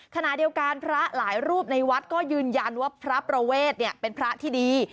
ขณะเดียวกันพระหลายรูปในวัดก็ยืนยันว่าพระประเวทเป็นพระที่ดี